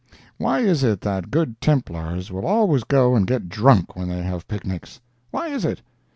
Why is it that Good Templars will always go and get drunk when they have picnics? Why is it?